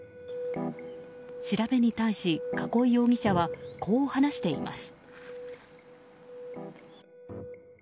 調べに対し栫容疑者はこう話しています。